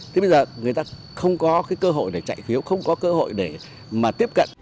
thế bây giờ người ta không có cái cơ hội để chạy phiếu không có cơ hội để mà tiếp cận